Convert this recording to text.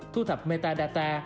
thu thập metadata